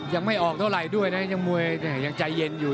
ยังไม่ออกเท่าไหร่ด้วยนะยังมวยยังใจเย็นอยู่